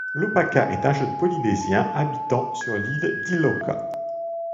Lopaka est un jeune Polynésien habitant sur l'île d'Iloka.